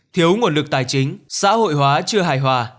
thiếu nguồn lực tài chính xã hội hóa chưa hài hòa